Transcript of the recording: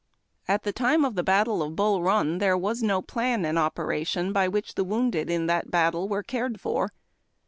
At the time of the battle of Bull Run there was no plan in operation by which the wounded in thot battle were cared for.